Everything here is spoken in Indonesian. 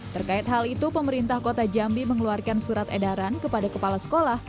terkait hal itu pemerintah kota jambi mengeluarkan surat edaran kepada kepala sekolah